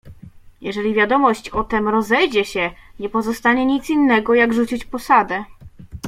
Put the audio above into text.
"Jeżeli wiadomość o tem rozejdzie się, nie pozostanie nic innego, jak rzucić posadę."